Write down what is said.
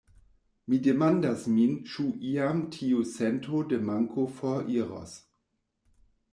Mi demandas min ĉu iam tiu sento de manko foriros.